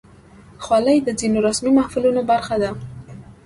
خولۍ د ځینو رسمي محفلونو برخه ده.